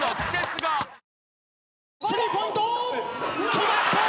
決まった！